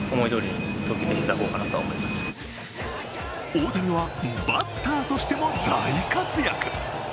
大谷はバッターとしても大活躍。